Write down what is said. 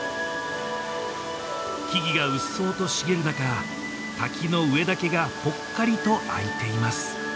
木々がうっそうと茂る中滝の上だけがぽっかりとあいています